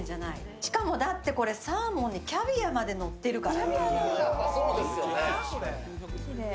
しかも、だって、これサーモンにキャビアまでのってるから。